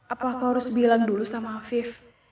apakah aku harus bilang dulu sama afif